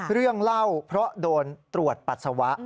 เรื่องเล่าเพราะโดนตรวจปัสสาวะ